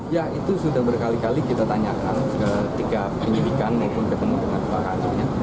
ya itu sudah berkali kali kita tanyakan ketika penyidikan maupun ketemu dengan pak kandungnya